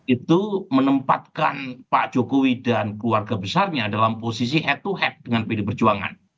itu menempatkan pak jokowi dan keluarga besarnya dalam posisi head to head dengan pd perjuangan